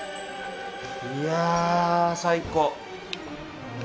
いや最高。